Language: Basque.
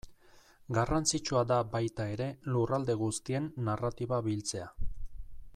Garrantzitsua da baita ere lurralde guztien narratiba biltzea.